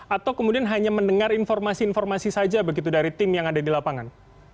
atau kemudian hanya mendengar informasi informasi saja begitu dari tim yang ada di lapangan